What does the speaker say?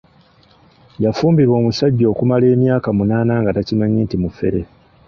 Yafumbirwa omusajja okumala emyaka munaana nga takimanyi nti mufere.